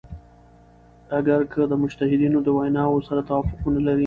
اګر که د مجتهدینو د ویناوو سره توافق ونه لری.